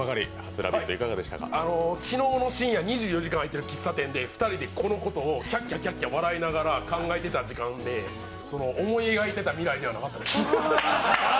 昨日深夜、２４時間開いているコンビニで２人でこのことを、キャッキャキャッキャ笑いながら考えていたんですが、思い描いていた未来ではなかった。